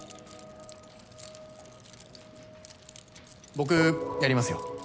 僕やりますよ。